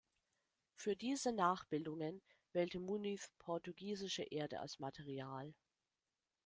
Für diese Nachbildungen wählte Muniz portugiesische Erde als Material.